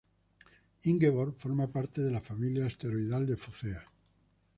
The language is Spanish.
Ingeborg forma parte de la familia asteroidal de Focea.